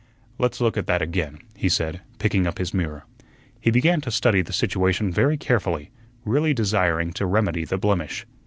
"Let's look at that again," he said, picking up his mirror. He began to study the situation very carefully, really desiring to remedy the blemish.